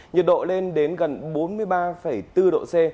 nhiệt độ lên đến gần bốn mươi ba bốn độ c